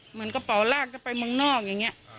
เหมือนกระเป๋าลากจะไปเมืองนอกอย่างนี้